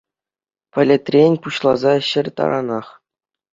Пӗлӗтрен пуҫласа ҫӗр таранах.